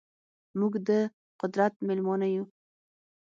موږ ده قدرت میلمانه یو